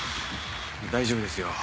大丈夫ですよ